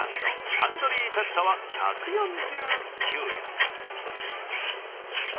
タンドリー竜田は１４９円。